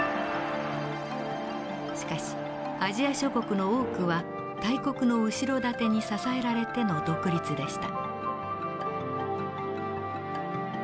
しかしアジア諸国の多くは大国の後ろ盾に支えられての独立でした。